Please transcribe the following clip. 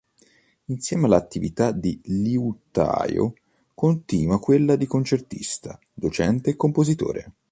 Insieme alla attività di liutaio continua quella di concertista, docente e compositore.